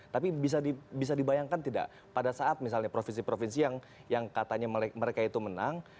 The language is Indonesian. tapi bisa dibayangkan tidak pada saat misalnya provinsi provinsi yang katanya mereka itu menang